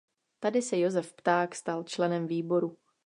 Tady se Josef Pták stal členem výboru.